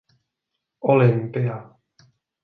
Olympia.